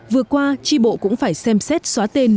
vừa qua tri bộ cũng phải xem xét xóa tên